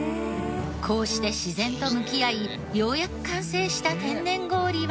こうして自然と向き合いようやく完成した天然氷は。